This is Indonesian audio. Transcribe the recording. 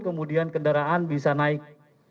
kemudian kendaraan bisa naik